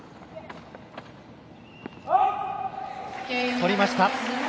取りました。